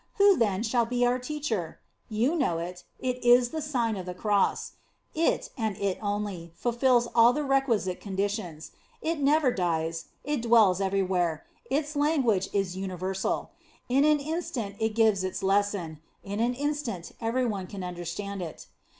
Who, then, shall be our teacher? You know it; it is the Sign of the Cross. It, and it only, fulfils all the requisite conditions. It never dies; it dwells everywhere; its language In the Nineteenth Century. 77 is universal. In an instant it can give its lesson; in an instant every one can under stand it.